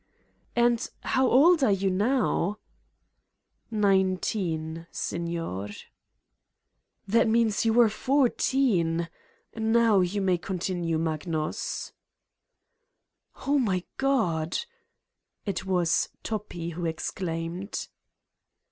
"And how old are you now." "Nineteen, signer." "That means you were fourteen. ... Now you may continue, Magnus." "Oh, my God!" (It was Toppi who exclaimed.)